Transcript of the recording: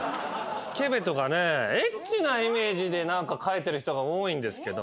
スケベとかエッチなイメージで書いてる人が多いんですけども。